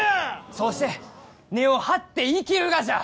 そうして根を張って生きるがじゃ！